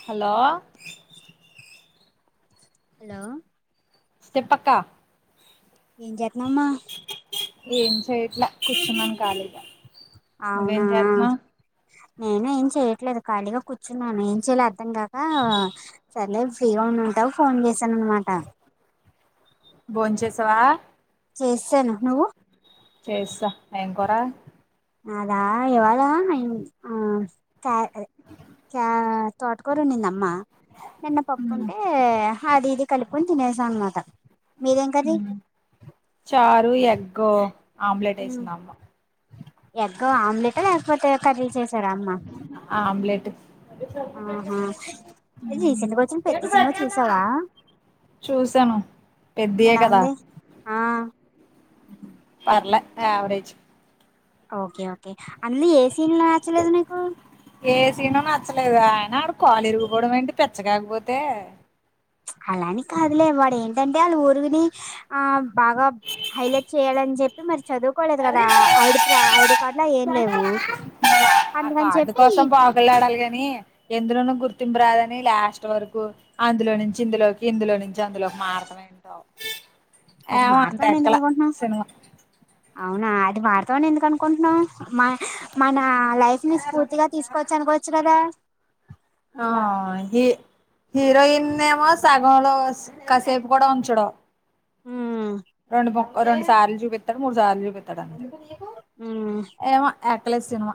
Hello hello చేప్పక్క ఏం జెత్న్నవమ్మ ఏం చెయట్లా కూర్చున్నాం కాలిగా అవునా నేను ఏం చేయట్లేదు ఖాళీగా కూర్చున్నాను ఏం చేయ్యలే అర్థం కాక సర్లే ఫ్రీగా ఉన్నా టవ్ ఫోన్ చేశాననమాట తవా చేసేసాను నువ్వు చేస్సా ఎం కూర అదా ఇవాల ఆ క్య క్య తోటకుర వండిందా అమ్మ నిన్న పప్పు ఉమ్ ఉంటే అది ఇది కలుపుకొని తినేసాం అన్నమాట చారు ఎగ్ ఆమ్లెట్ ఎసిందమ్మ ఎగ్గో ఆమ్లెట్ లేకపోతే కర్రీ చేస్ సర అమ్మ ఆమ్లెట్ అహ రీసెంట్ గా వచ్చిన పెద్ది సినిమా చూసావా చూసాను పెద్దియే ఎలా కదా ఉంది ఆ పర్లే యావరేజ్ ఓకే ఓకే అందులో ఏ సీన్లు నచ్చలేదు నీకు లేదా ఆయన ఆడు కాళ్ళ ఇరిగిపోవడం ఏంటి పిచ్చ కాకపోతే అలాని కాదులే వాడేంటంటే ఆళ్ళ ఊరువిని ఆ బాగా హైలైట్ చేయాలని చెప్పి మరి చదువుకోలేదు కదా ఐడి ప్ర ఐడి కార్డు లో ఏం లేవు ఆ అందుకని కార్డు చెప్పి ఈ కోసం పాకులాడాలి గాని ఎందులోనూ గుర్తింపు రాదని లాస్ట్ వరకు అందులో నుంచి ఇందులోకి ఇందులో నుం జందులోకి మారతం ఏంటో అది ఏమో అంత మార్తాం అని ఎందుకు ఎక్కల అనుకుంటున్నావ్ సినిమా అవునా అది మారుతామని ఎందుకు అనుకుంటున్నావు మ మన లైఫ్ ని స్ఫూర్తిగా తీసుకోవచ్చు అనుకోవచ్చు కదా ఆ ఇది హీరోయిన్ ఏమో సగంలో కాసేపు కూడా ఉంచడు హ రెండు బొ రెండు సార్లు చూపిత్తడు మూడుసార్లు చూపెత్తడు ఉమ్ ఏమో క్కల సినిమా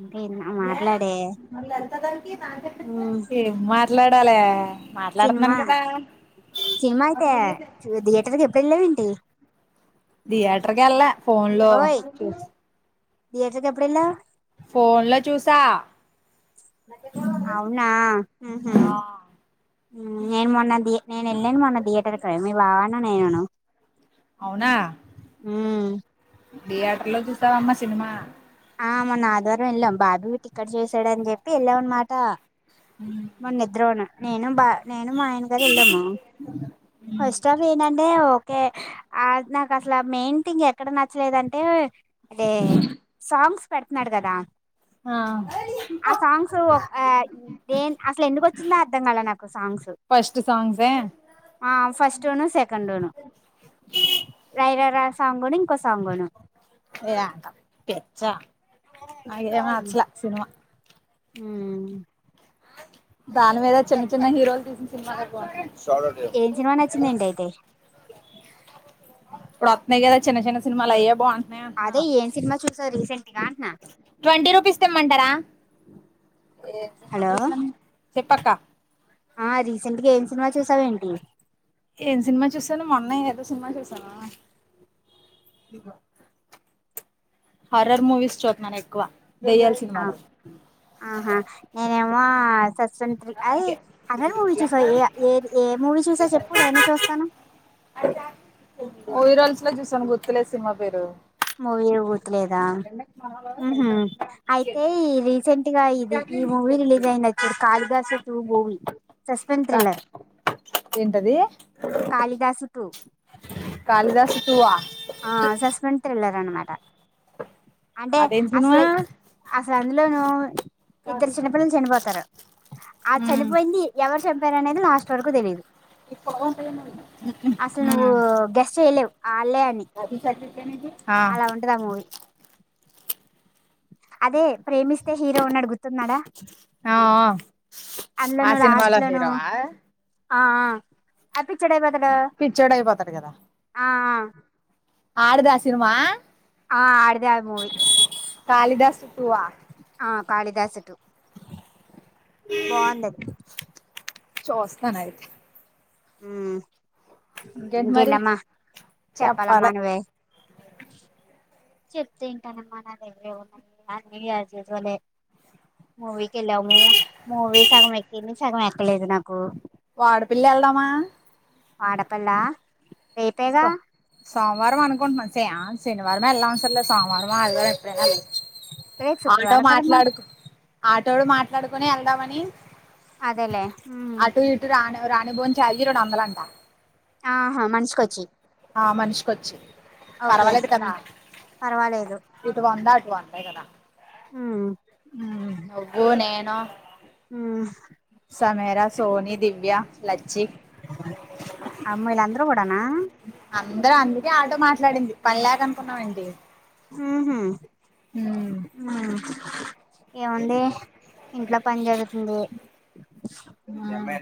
ఇంకేందో మాట్లాడే ఉమ్ ఏం మాట్లాడాలా సినిమా మాట్లాడుతున్నాను కదా సినిమా అయితే థియేటర్కి ఎప్పుడు వెళ్ళావేంటి దియేటర్కి ఎల్ల ఫోన్లో ఓయ్ చూ థియేటర్కి ఎప్పుడళ్లావ్ ఫోన్లో చూసా అవునా ఉహు ఆ నేను మొన్న నేను వెళ్ళాను మొన్న థియేటర్కి మీ బావన్న నేనను అవునా థియేటర్లో చూసావమ్మా సినిమా ఆ మొన్న ఆదివారం వెళ్ళాం బాబువి టిక్కెట్ చేసాడని చెప్పి వెళ్ళాం అనమాట మొన నిద్రబోను నేను బా నేను మా ఆయన గారు వెళ్ళాము ఫస్ట్ ఆఫ్ ఏంటంటే ఓకే అద్ నాకు అసల మెయిన్ థింగ్ ఎక్కడ నచ్చలేదంటే అదే సాంగ్స్ పెడుతున్నాడు కదా ఆ ఆ సాంగ్స్ ఒక ఆ నేన్ అసలు ఎందుకు వచ్చిందో అర్థం కాల నాకు సాంగ్స్ ఫస్ట్ సాంగ్స్సే ఆ ఫస్ట్ టును సెకండును రైరై రా రా సాంగును ఇంకో సాంగును నాకు ఏమ నచ్చలే సినిమా ఉమ్ దాని మీద చిన్న చిన్న హీరోస్ తీసిన సినిమాలే బాగున్నాయ్ సాడండి ఏం సినిమా ఒ నచ్చిందేంటి అయితే అప్పుడే కదా చిన్న చిన్న సినిమాలు అయ్యే బాగుం అదే ఏం సినిమా చూసా రీసెంట్ గా అంటున్నా ట్వంటీ రూపీస్ తెమ్మంటారా ఏం సినిమా హలో చూసినాం చెప్పక్క ఆ రీసెంట్గా ఏం సినిమా చూసావు ఏంటి ఏం సినిమా చూసాను మొన్నే ఏదో సినిమా చూసాను ఇ హర్రర్ మూవీస్ చూస్తున్నాను ఎక్కువ దెయ్యాల ఆ సినిమాలు ఆహా నేనేమో సస్ంత్రి ఐ హర్రర్ మూవీ చూసా ఏ ఏ ఏ మూవీ చూసా చెప్పు నేనూ చూస్తాను మూవీ రోల్స్ లో చూసాను గుర్తులేదు సినిమా పేరు మూవీ గుర్తులేదా ఉహు అయితే ఈ రీసెంట్గా ఇది ఈ మూవి రిలీజ్ అయింది చూడు Kalidasa two movie suspense thriller ఉంటది కాళిదాసు టు వా ఆ సస్పెన్స్ థ్రిల్లర్ అనమాట అంటే అదేం సినిమా అసలు అసలు అందులోను ఇద్దరు చిన్నపిల్లలు చనిపోతారు ఆ ఉమ్ చనిపోయింది ఎవరు చంపారు అనేది లాస్ట్ వరకు తెలీదు అసలు నువ్వు గెస్ట్ చేయలేవు అల్లే అని కాది సత్తిన్సీ అలా ఉంటదీ ఆ మూవీ అదే ప్రేమిస్తే హీరో గుర్తుందార ఆ ఆ ఆ అందులోను లాస్ట్ సినిమాలో లోను హీరోవా ఆ ఆడు పిచోడు అయిపోతాడు పిచ్చోడు ఆ అడిదా ఆ సినిమా ఆ అడిదే ఆ మూవి కాళిదాసు ట్వ ఆ ఆ కాళిదాసు టు బొంది చూస్తానయితే ఉ ఇంకేంటి మరి ఇంకేంటమ్మా చెప్పాలమ్మా చెప్పాలే నువ్వే చెప్తే ఇంటానమ్మ నా దగ్గర ఏం ఉన్నాయి అన్ని యాస్ యూజువల్ యే మూవీకి వెళ్ళాము మూవీ సగం ఎక్కింది సగం ఎక్కలేదు నాకు వాడపల్లి వెళ్దామా వాడపల్లా స రేపేగా సోమవారం అనుకుంటున్నా సే శనివారం వెళ్లాల్సిన అవసరం లేదు ఆదివారం సోమవారం ఎప్పుడైనా వెళ్లొచ్చు రేపు ఆటో శుక్రవారం కదమ్మా మాట్లాడుకు ఆటోడు మాట్లాడుకుని వెళ్దామని అదేలేే రాను పోను చాట్ చేయలేవు రెండు వందనాలు అంట ఆహా మనిషికోచి ఆ మనిషికిచ్చి పర్వాలేదు ఉమ్, కదా పర్వాలేదు ఇటు వంద వందే కదా ఉమ్ నువ్వు నేను హ సమేరా సోని దివ్య లచ్చి వీళ్ళందరూ కూడానా అందరూ అందుకే ఆటో మాట్లాడింది పని లేక అనుకున్నావెంటి ఉహు ఉమ్ ఉమ్ ఏముంది ఇంట్లో పని జరుగుతుంది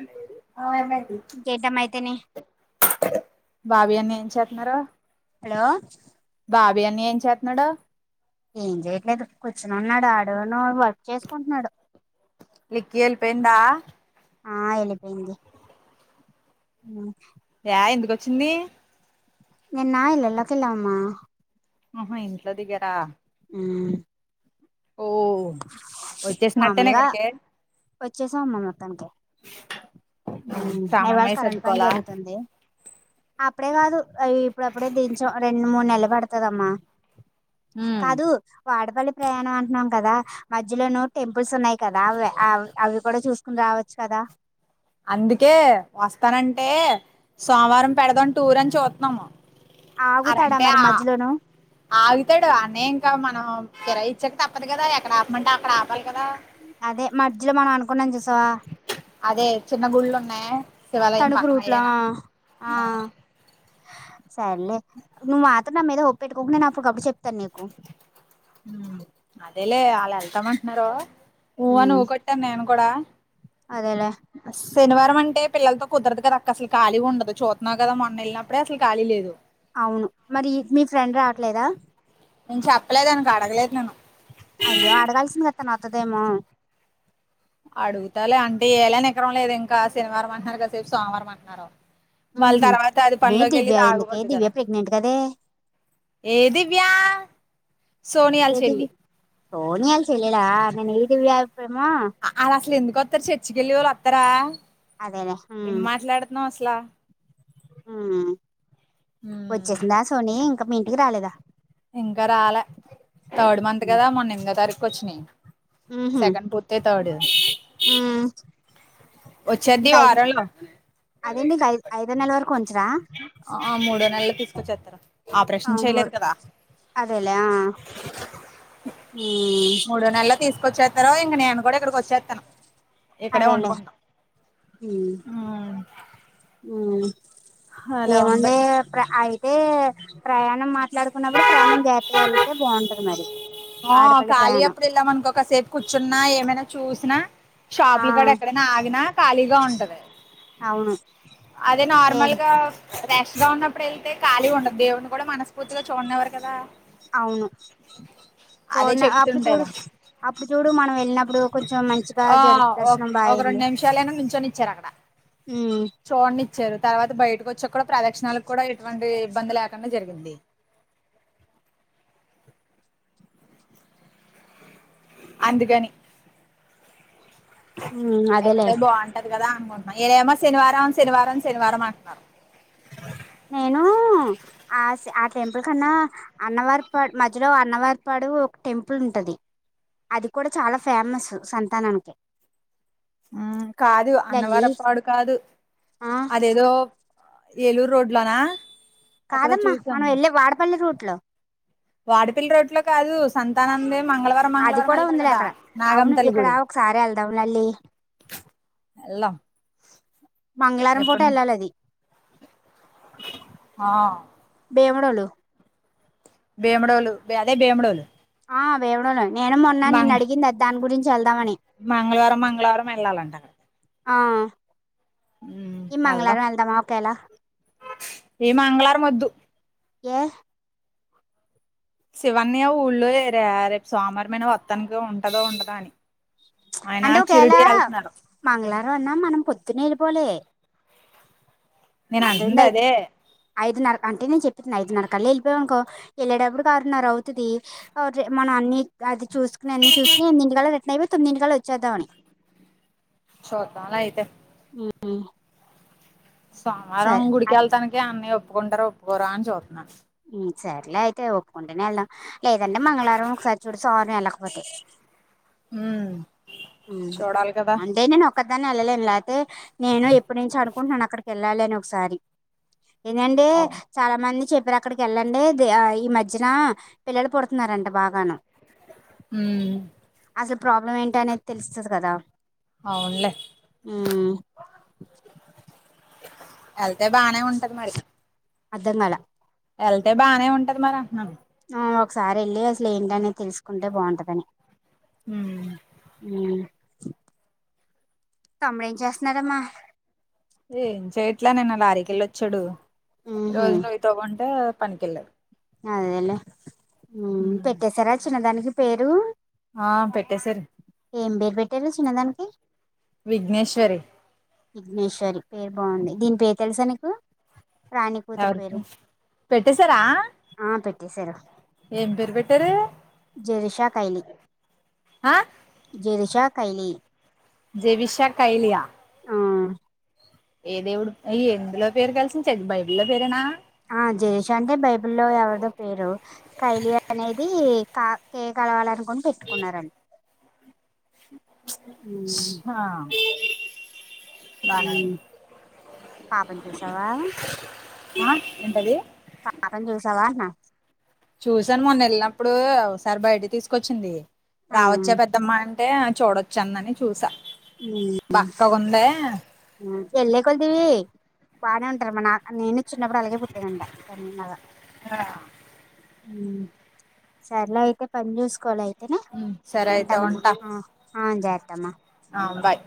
అవునా ఏం పని ఇంకేంటమ్మా అయితేనే బాబీ అన్నయా ఏం చేస్తున్నారా హలో బాబి అన్నయా ఏం చేస్తున్నాడు ఏం చెయలేదు కూర్చుని ఉన్నాడు ఆడను వర్క్ చేసుకుంటున్నాడు నిక్కి వెళ్ళిపోయిందా ఆ వెళ్ళిపోయింది యా ఎందుకొచ్చింది నిన్న ఇళ్లల్లోకి వెళ్ళామమ్మా ఆహా ఇంట్లో దిగారా ఆ ఓ వచ్చేసినట్టేనా మామూలుగా ఇక్కడికి వచ్చేసాం మ్మా మొత్తానికి సామాన్ అవాళ అయి కరెంట్ పని సర్దుకోవాలా జరుగుతుంది అప్పుడే కాదు అ ఇప్పుడు అప్పుడే దించం రెండు మూడు నె నిలబడుతదమ్మా ఉమ్ కాదు వాడపల్లి ప్రయాణం అంటున్నాం కదా మధ్యలోనూ టెంపుల్స్ ఉన్నాయి కదా అవి అవి కూడా చూసుకుని రావచ్చు కదా అందుకే వస్తానంటే సోమవారం పెడదాం టూర్ అని చూతన్నం ఆగుతాడా అరంటే మరి ఆ మధ్యలోను ఆగుతాడు అన్నే ఇంకా మనం కిరా ఇచ్చాక తప్పదు కదా ఎక్కడ ఆపమంటే అక్కడ ఆపాలి కదా అదే మధ్యలో మనం అనుకున్నాం చూసావా అదే చిన్న గుళ్లు ఉన్నాయి శివాలయం తణకు పక్కన రూట్లా అయ్యేనా ఆ సర్లే నువ్వు మాత్రం నా మీద ఒప్పెట్టుకోకు నేను అప్పటికప్పుడు చెప్తాను నీకు అదేలే వాళ్ళు వెళ్తామంటున్నారు ఊవుని ఊ కొట్టాను నేను కూడా అదేలేే శనివారం అంటే పిల్లలతో కుదరదు కదా అక్క అసలు ఖాలీ ఉండదు చూతున్నావు కద మొన్న వెళ్ళినప్పుడే అసలు ఖాలీ లేదు అవును మరి మీ ఫ్రెండ్ రావట్లేదా నేను చెప్పలేదు అనకు అడగలేదు నేను అయ్యో అడగాల్సింది కదా తను వత్తదేమో అడుగుతాలే అంటే ఏళని ఎకరం లేదు ఇంకా శనివారం అంటన్నారు కాసేపు సోమవారం అంటున్నారు వాళ్ళ ఉహు తర్వాత అది మే పనిలోకి వెళ్ళి దివ్య ఎందుకే ఆగిపోద్దు దివ్య కదా ప్రెగ్నెంట్ కదే ఏ దివ్యా సోని యాల్ ఏ చెెల్లి దివ్య సోనియాల చెల్లిలా అ నేను దివ్యా పేమా త్ర అదేలే హుమ్మ్ పిలా వచ్చేసిందా సోని ఇంకా మీ ఇంటికి రాలేదా ఇంకా రాలే థర్డ్ మంత్ కదా మొన్న ఎనిమిదో తారీఖు వచ్చినయ్ ఉహు సెకండ్ పూతే థర్డ్ ఉమ్ వచ్చేది ఇంకా ఐదు వారంలో అదేండి ఇంకా ఐదు ఐదో నెల వరకు ఉంచరా ఆ మూడో నెల్లో తీసుకొచ్చేత్తరు ఆపరేషన్ అవును చేయలేదు కదా అదేలే ఆ ఉమ్ మూడో నెల్లో తీసుకొచ్చే రో ఇంక నేను కూడా ఇక్కడికి వచ్చేత్తాను ఇక్కడే వండుకుంటాం ఉ ఉమ్ ఆ అలా ఉంది ఏముంది ప్ర ఆయి అయితే ప్రయాణం మాట్లాడుకున్నప్పుడు ప్రయాణం జాగ్రత్తగా వెలితే బాగుంటది మరి ఆ ఆడపల్లి ఖాళీ ప్రయాణం అప్పుడు వెళ్ళామనకొ ఒకసేపు కూర్చున్నా ఏమైనా చూసినా ఆ షాపులు కాడ ఎక్కడైనా ఆగినా ఖాళీగా ఉంటది అవును అదే నార్మల్ లేదు గా ఫ గా ఉన్నప్పుడు వెళ్తే ఖాళీ ఉండదు దేవున్ని కూడా మనస్ఫూర్తిగా చూడనివ్వరు కదా అవును అదే చూడన అప్పుడు చూడు చెప్తుంటారు అప్పుడు చూడు మనం వెళ్ళినప్పుడు కొంచెం మంచిగా ఆ జ దర్శనం ఒక బాయయిద్ది రెండు నిమిషాలైనా నించొని ఇచ్చారు అక్కడ ఉమ్ చూడని ఇచ్చారు తర్వాత బయటకు వచ్చా కూడా ప్రదక్షిణలకు కూడా ఎటువంటి ఇబ్బంది లేక కన్నా జరిగింది అందుకని ఉమ్ అదేలే అయితే బాగుంటది కదా అనుకుంటు ఆ ఈడేమో శనివారం, శనివారం, శనివారం అంటున్నరు. నేనూ ఆస్ ఆ టెంపుల్ కన్నా అన్నవర్పడ్ మధ్యలో అన్నవర్పడ్ లో ఒక టెంపుల్ ఉంటది. అది కూడా చాలా ఫేమస్ సంతానానికి కాదు లల్లి అన్నవరపాడు కాదు ఆ అదేదో ఏలూర్ రోడ్లోనా కాదమ్మా మనం ఎళ్లే వాడ్పల్లి రూట్లో వాడ్పెల్లి రోడ్లో కాదు సంతానందే మంగళవారం అది మంగళవారం కూడా ఎళ్తారు ఉందిలే గదా అక్కడ నాగంతల్లి గుడి వెళ్దాం మంగళారం పూట ఎళ్లాల్ అది హ బేముడోలు బేముడోలు అదే బేముడోలు ఆ బేముడలె నేనే మొన్న నిన్న అడిగింది అద్ దాన్ గురిం మంగళవారం, మంగళవారం ఎళ్ళాలంటా ఆ ఈ మంగళవారం ఎళ్దామా ఓకేలా ఏ మంగళవారం వద్దు. ఏ శివన్నయ్య ఊళ్ళో లేరే రేప్ సోమవారంమైన వత్తానికి ఉంటదో ఉండడో అని ఆయన అంటే ఒకవేళ షిరిడి వెళ్తున్నారు మంగళారం అన్నా మనం పొద్దున్నే ఎళ్ళిపోలే నేను అంటుంది అర్థమైందా ఇప్ అదే ఐదు నరు అంటే నేన్ చెప్ ఐదున్నర కళ్ళ ఎళ్ళిపోయావనుకో ఎళ్ళేటప్పుడుకి ఆరున్నర అవుతది మనం అన్ని అది చూస్ కుని అన్ని చూస్కుని ఎనిమిదింటికల్ల రిటర్న్ అయిపోయి తొమ్మిదింటికల్ల వచ్చేద్దామని చూద్దాంలే అయితే మ్ సోమవారం గుడికెళ్ళతాకే అన్నయ్య ఒప్పుకుంటారో ఒప్పుకోరో అని చూత్తున్నా. సర్లే అయితే ఒప్పుకుంటేనే ఎళ్దాం లేదంటే మంగళవారం ఒకసార్ చూడు సోమవారం ఎళ్ళకపోతే ఉమ్ ఆ చూడాలి కదా అంటే నేన్ ఒ ఒక్కదాన్నే ఎళ్ళలేను లేకపోతే నేను ఎప్పుట్ నుంచో అనుకుంటున్నాను అక్కడికెళ్ళలని ఒకసారి ఏందంటే అవును చాలా మంది చెప్ అక్కడికెళ్ళండి దే ఆ ఈ మధ్యనా పిల్లలు పుడుతున్నారంట బాగాను మ్ అసల్ ప్రాబ్లం ఏంటి అనేద్ తెలుస్తది కదా అవున్లె ఎళ్తే బానే ఉంటది మరి అర్ధం కాలా ఎళ్తే బానే ఉంటది మరి అంటున్నాను. ఆ ఒకసార్ ఎళ్ళి అసల్ ఏంటి అనేది తెల్సుకుంటే బాగుంటదని. మ్ తమ్ముడ్ ఏం చేస్తున్నరమ్మా? ఏం చేయట్లే నిన్న లారీకెళ్ళొచ్చాడు. ఈ ఉహు రోజు నుయ్యి తొవ్వుంటే పని కెల్లాడు. అదేలే మ్ పెట్టేశారా చిన్నదానికి పేరూ ఆ పెట్టేసారు. ఏం పేర్ పెట్టారు చిన్నదానికి విఘ్నేశ్వరి. విఘ్నేశ్వరి పేరు బాగుంది దీని పేరు తెలుసా నీకు రాణి కూతురు ఎవరికి పేరు పెట్టేశారా ఆ పెట్టేశారు ఏం పేరు పెట్టారు జెరిషా కైలీ ఆ జెరిషా ఖైలీ జెవిషా కైలియా ఆ ఏదేవుడు అయ ఎందులో పేరు కలిసింది చ బైబల్ లో పేరేనా ఆ జయేష్ అంటే బైబిల్ లో ఎవరిదో పేరు కైలి అనేది కా కే కలవాలను పెట్టుకున్నారండి హా పాపని చూసావా ఉంది ఆ ఏంటది పాపని చూసావా అన్న చూసాను మొన్న వెళ్ళినప్పుడు ఒకసారి బయట తీసుకొచ్చింది అవును రావచ్చా పెద్దమ్మా అన్ అంటే చూడొచ్చా అన్నని చూసా బక్కగుందే వెళ్ళే కొద్ది బానే ఉంటరు మా నా నేను చిన్నప్పుడు అలాగే పుట్టనంట సన్నగా సర్లే అయితే పని చూసుకోలై ఆ సరే అయితే ఉంటనమ్మ ఉంటా ఆ ఆ జాగ్రతమ్మ ఆ బాయ్